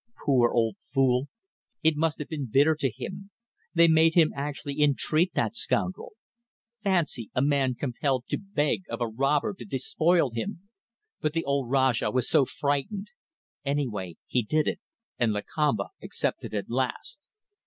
Poor old fool! It must have been bitter to him. They made him actually entreat that scoundrel. Fancy a man compelled to beg of a robber to despoil him! But the old Rajah was so frightened. Anyway, he did it, and Lakamba accepted at last.